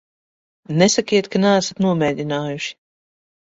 Nesakiet, ka neesat nomēģinājuši.